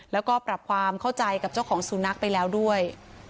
แล้วก็ปรับความเข้าใจกับเจ้าของสุนัขไปแล้วด้วย